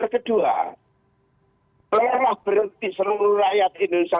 kedua telahlah berhenti seluruh rakyat indonesia